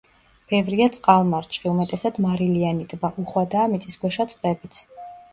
ბევრია წყალმარჩხი, უმეტესად მარილიანი ტბა, უხვადაა მიწისქვეშა წყლებიც.